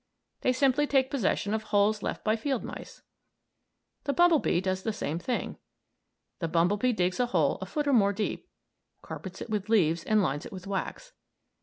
They simply take possession of holes left by field mice. The bumblebee does the same thing. The bumblebee digs a hole a foot or more deep, carpets it with leaves, and lines it with wax.